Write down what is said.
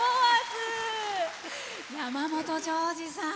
山本譲二さん